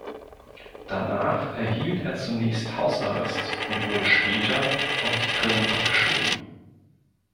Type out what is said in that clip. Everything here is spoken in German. Danach erhielt er zunächst Hausarrest und wurde später auf die Krim abgeschoben.